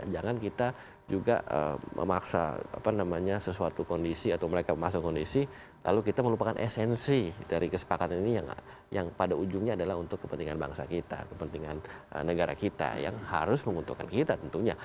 jangan kita juga memaksa sesuatu kondisi atau mereka memaksa kondisi lalu kita melupakan esensi dari kesepakatan ini yang pada ujungnya adalah untuk kepentingan bangsa kita kepentingan negara kita yang harus menguntungkan kita tentunya